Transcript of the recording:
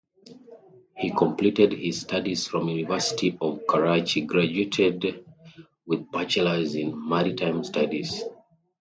He completed his studies from University of Karachi graduated with Bachelors in Maritime Studies.